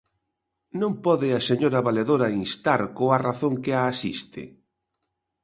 ¿Non pode a señora valedora instar coa razón que a asiste?